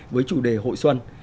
với chủ đề hội xuân